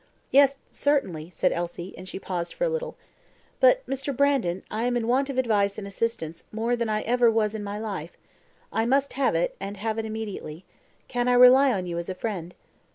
"Yes, certainly," said Elsie; and she paused for a little. "But, Mr. Brandon, I am in want of advice and assistance more than I ever was in my life. I must have it, and have it immediately. Can I rely on you as a friend?"